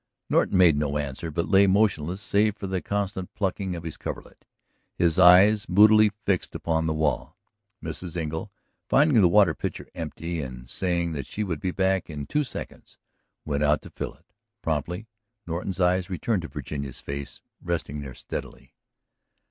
Norton made no answer but lay motionless save for the constant plucking at his coverlet, his eyes moodily fixed upon the wall. Mrs. Engle, finding the water pitcher empty and saying that she would be back in two seconds, went out to fill it. Promptly Norton's eyes returned to Virginia's face, resting there steadily.